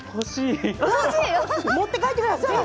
持って帰ってください